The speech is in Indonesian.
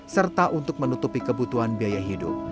serta untuk menutupi kebutuhan biaya hidup